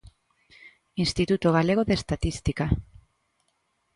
Instituto Galego de Estatística.